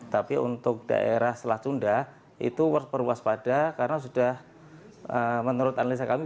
tapi untuk daerah selacunda itu berperuas pada karena sudah menurut analisa kami